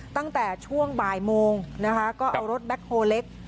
ตั้งแต่ช่วงบ่ายโมงนะคะก็เอารถแบ็คโฮเล็ก